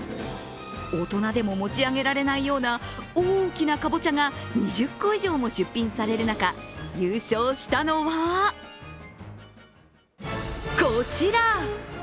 大人でも持ち上げられないような大きなかぼちゃが２０個以上も出品される中、優勝したのはこちら。